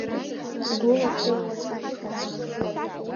Гәыла сыҩуа сашьҭан.